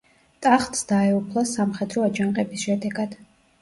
ტახტს დაეუფლა სამხედრო აჯანყების შედეგად.